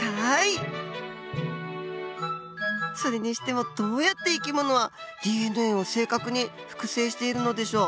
それにしてもどうやって生き物はＤＮＡを正確に複製しているのでしょう？